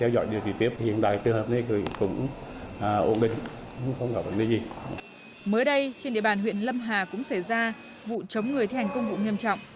mới đây trên địa bàn huyện lâm hà cũng xảy ra vụ chống người thi hành công vụ nghiêm trọng